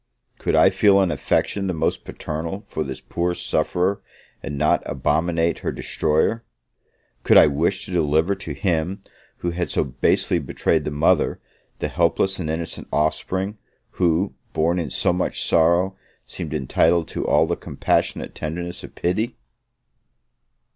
Could I feel an affection the most paternal for this poor sufferer, and not abominate her destroyer? Could I wish to deliver to him, who had so basely betrayed the mother, the helpless and innocent offspring, who, born in so much sorrow, seemed entitled to all the compassionate tenderness of pity?